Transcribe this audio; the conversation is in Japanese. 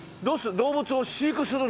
動物を飼育するの？